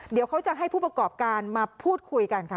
เดี๋ยวเขาจะให้ผู้ประกอบการมาพูดคุยกันค่ะ